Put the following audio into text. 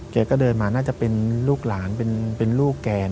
แกก็เดินมาน่าจะเป็นลูกหลานเป็นลูกแก